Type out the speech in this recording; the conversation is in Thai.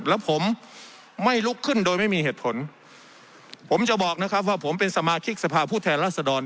แล้วผมไม่ลุกขึ้นโดยไม่มีเหตุผลผมจะบอกนะครับว่าผมเป็นสมาชิกสภาพผู้แทนรัศดร